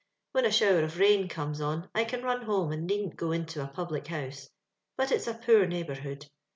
When a shower of rain comes on, I can run home, and needn't go into a public house ; but it's a poor neighboiuhood.